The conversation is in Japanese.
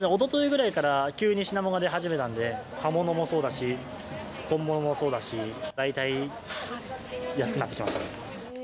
おとといぐらいから、急に品物が出始めたんで、葉ものもそうだし、根ものもそうだし、大体安くなってきましたね。